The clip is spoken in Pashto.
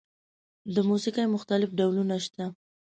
د موسیقۍ مختلف ډولونه شته.